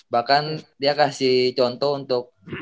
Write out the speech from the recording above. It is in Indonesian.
bahkan dia kasih contoh untuk